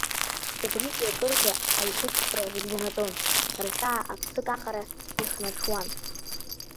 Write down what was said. Убригьы акырӡа аигәыцхәра рыбжьанаҵон, рхьаа аԥсык аҟара ихнаҽуан.